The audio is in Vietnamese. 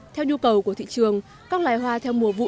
theo nhu cầu của thị trường các loài hoa theo mùa vụ